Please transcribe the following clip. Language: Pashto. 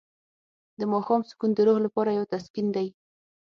د ماښام سکون د روح لپاره یو تسکین دی.